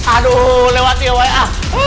aduh lewat yya